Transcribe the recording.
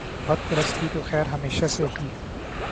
بت پرستی تو خیر ہمیشہ سے ہی